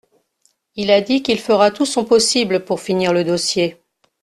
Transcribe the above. Il a dit qu’il fera tout son possible pour finir le dossier.